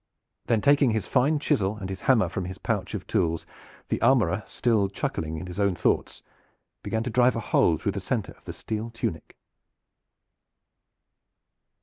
Then taking his fine chisel and his hammer from his pouch of tools, the armorer, still chuckling at his own thoughts, began to drive a hole through the center of the steel tunic.